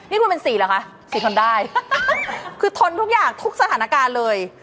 นี่คุณเป็นสี่เหรอคะสีทนได้คือทนทุกอย่างทุกสถานการณ์เลย